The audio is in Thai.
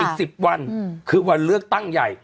อีก๑๐วันคือวันเลือกตั้งใหญ่